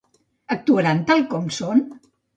Actuaran tal com són?